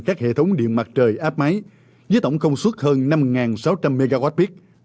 các hệ thống điện mặt trời áp máy với tổng công suất hơn năm sáu trăm linh mwp